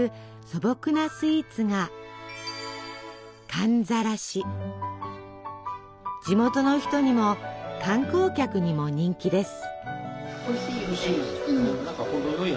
素朴なスイーツが地元の人にも観光客にも人気です。